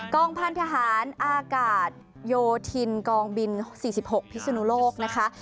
องพันธหารอากาศโยธินกองบิน๔๖พิศนุโลกนะคะ